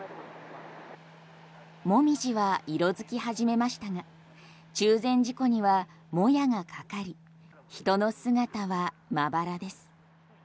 モミジは色づき始めましたが中禅寺湖には、もやがかかり人の姿はまばらです。